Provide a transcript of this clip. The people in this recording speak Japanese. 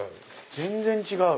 全然違う！